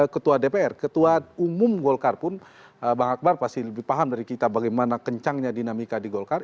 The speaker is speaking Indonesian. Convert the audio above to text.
ketua dpr ketua umum golkar pun bang akbar pasti lebih paham dari kita bagaimana kencangnya dinamika di golkar